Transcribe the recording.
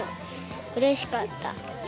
うれしかった。